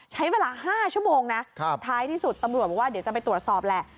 ใช้เวลา๕ชั่วโมงนะท้ายที่สุดตำรวจบอกว่าเดี๋ยวจะไปตรวจสอบแหละ